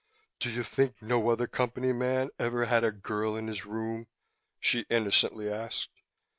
"Do you think no other Company man ever had a girl in his room?" she innocently asked.